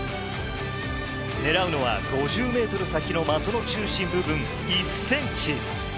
狙うのは５０ｍ先の的の中心部分１ｃｍ。